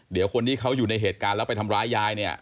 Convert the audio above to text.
เดี๋ยวคนที่เขาอยู่ในเหตุการณ์แล้วไปทำร้ายยายเนี่ย